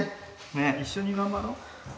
一緒に頑張ろう。